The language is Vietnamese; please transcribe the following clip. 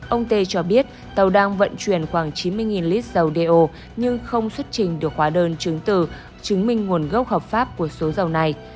ông tê cho biết tàu đang vận chuyển khoảng chín mươi lít dầu đeo nhưng không xuất trình được khóa đơn chứng từ chứng minh nguồn gốc hợp pháp của số dầu này